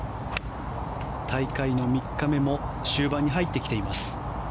大会の３日目も終盤に入ってきています。